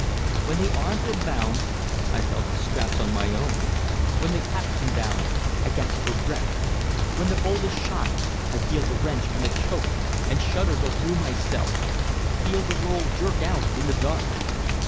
When the arms were bound, I felt the straps on my own; when the cap come down, I gasp for breath; when the bolt is shot, I feel the wrench and the choke, and shudder go through myself feel the world jerk out in the dark.